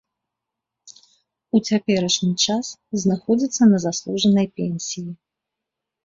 У цяперашні час знаходзіцца на заслужанай пенсіі.